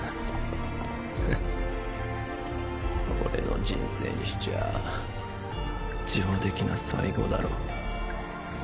ふっ俺の人生にしちゃあ上出来な最期だろ。